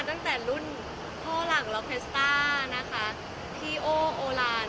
ตั้งแต่รุ่นพ่อหลังล็อกเพชสต้านะคะพี่โอโอลาน